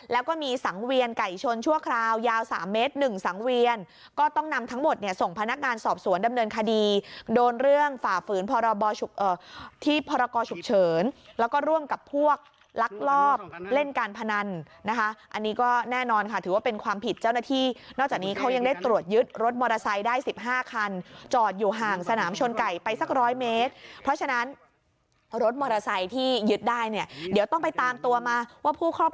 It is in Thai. แล้วก็มีสังเวียนไก่ชนชั่วคราวยาวสามเมตรหนึ่งสังเวียนก็ต้องนำทั้งหมดเนี่ยส่งพนักการสอบสวนดำเนินคดีโดนเรื่องฝ่าฝืนพรบอบอ่อเอ่อที่พรกอฉุกเฉินแล้วก็ร่วมกับพวกลักลอบเล่นการพนันนะคะอันนี้ก็แน่นอนค่ะถือว่าเป็นความผิดเจ้าหน้าที่นอกจากนี้เขายังได้ตรวจยึดรถมอเ